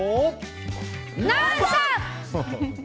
「ノンストップ！」。